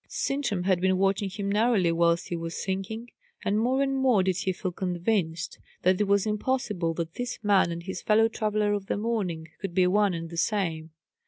Sintram had been watching him narrowly whilst he was singing, and more and more did he feel convinced that it was impossible that this man and his fellow traveller of the morning could be one and the same.